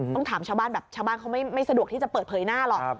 ต้องถามชาวบ้านแบบชาวบ้านเขาไม่สะดวกที่จะเปิดเผยหน้าหรอก